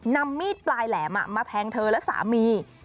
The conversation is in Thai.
นำมีดปลายแหลมมาแทงเธอและสามี